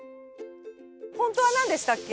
本当はなんでしたっけ？